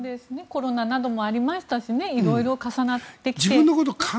コロナなどもありましたしいろいろ重なってきて。